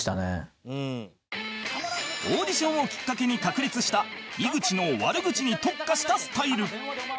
オーディションをきっかけに確立した井口の悪口に特化したスタイル